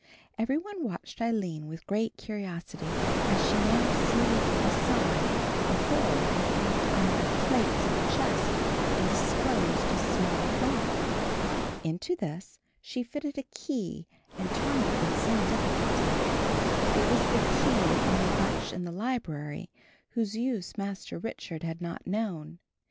Every one watched Aline with great curiosity as she now slid aside the whole of one of the iron plates of the chest and disclosed a small lock. Into this she fitted a key and turned it with some difficulty. It was the key on the bunch in the library, whose use Master Richard had not known.